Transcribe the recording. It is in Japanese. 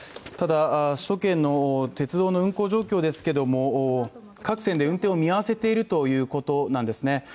ただ首都圏のの運行状況ですけども各線で運転を見合わせているということなんですね